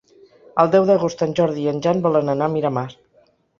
El deu d'agost en Jordi i en Jan volen anar a Miramar.